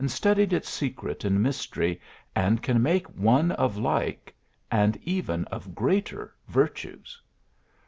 studied its secret and mystery, and can make one of like, and even of greater virtues."